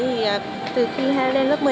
thì từ khi em lên lớp một mươi hai